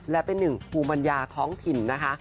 และเป็นหนึ่งภูมิปัญญาท้องถิ่นนะคะ